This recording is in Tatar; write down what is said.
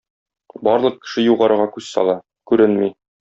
Барлык кеше югарыга күз сала - күренми.